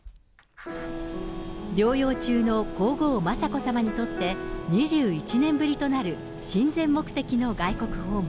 療養中の皇后、雅子さまにとって２１年ぶりとなる、親善目的の外国訪問。